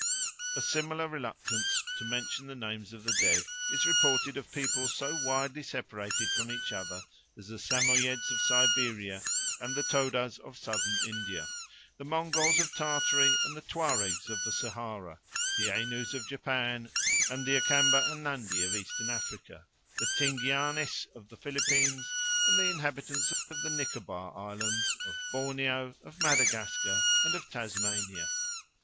A similar reluctance to mention the names of the dead is reported of peoples so widely separated from each other as the Samoyeds of Siberia and the Todas of Southern India; the Mongols of Tartary and the Tuaregs of the Sahara; the Ainos of Japan and the Akamba and Nandi of Eastern Africa; the Tinguianes of the Philippines and the inhabitants of the Nicobar Islands, of Borneo, of Madagascar, and of Tasmania.